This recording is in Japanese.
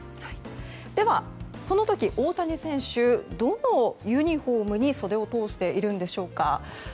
では、その時、大谷選手はどのユニホームに袖を通しているんでしょうか。